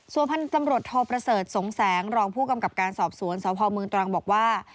ส่วนพันธุ์ตำรวจโทประเสริฐสงแสงรองผู้กำกับการสอบสวนสพเมืองตรังบอกว่า